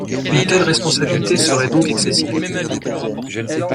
Une telle responsabilité serait donc excessive.